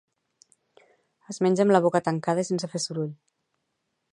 Es menja amb la boca tancada i sense fer soroll